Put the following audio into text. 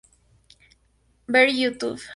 Ver Youtube.